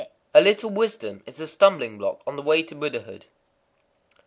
_ A little wisdom is a stumbling block on the way to Buddhahood.